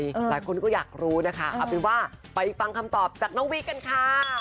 หลายคนก็อยากรู้นะคะเอาเป็นว่าไปฟังคำตอบจากน้องวิกันค่ะ